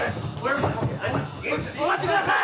お待ちください！